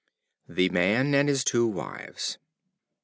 The Man and His Two Wives.